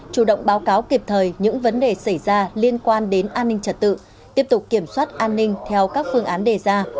chủ động báo cáo kịp thời những vấn đề xảy ra liên quan đến an ninh trật tự tiếp tục kiểm soát an ninh theo các phương án đề ra